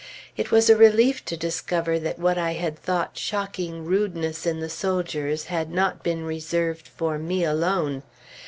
It was a relief to discover that what I had thought shocking rudeness in the soldiers had not been reserved for me alone.